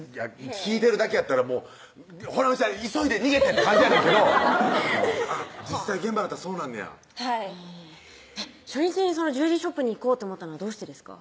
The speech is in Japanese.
聞いてるだけやったらもう穂南ちゃん急いで逃げてって感じやねんけど実際現場になったらそうなんねやはい初日にジュエリーショップに行こうと思ったのはどうしてですか？